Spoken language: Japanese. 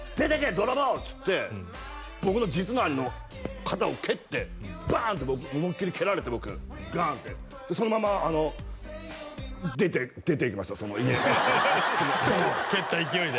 泥棒」っつって僕の実の兄の肩を蹴ってバン！って僕思いっきり蹴られて僕ガン！ってそのままあの出ていきましたその家蹴った勢いで？